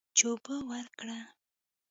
چې اوبه ورکړه.